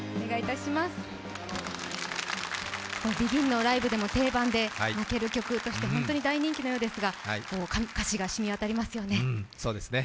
ＢＥＧＩＮのライブでも定番で、泣ける曲として本当に大人気のようですが歌詞が染み渡りますよね。